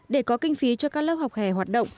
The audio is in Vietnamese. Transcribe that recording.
để có kinh phí cho các lớp học hè hoạt động